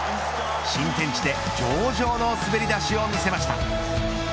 新天地で上々の滑り出しを見せました。